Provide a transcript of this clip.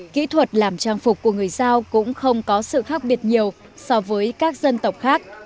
kỹ thuật làm trang phục của người giao cũng không có sự khác biệt nhiều so với các dân tộc khác